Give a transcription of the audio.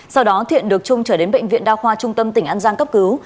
sau đó thiện được chung trở đến bệnh viện đa khoa trung tâm tỉnh an giang cấp cứu